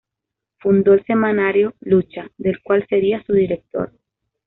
Fundó el semanario "Lucha", del cual sería su director.